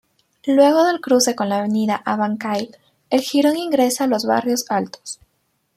Luego del cruce con la Avenida Abancay el jirón ingresa a los Barrios Altos.